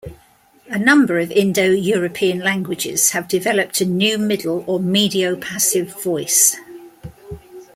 A number of Indo-European languages have developed a new middle or mediopassive voice.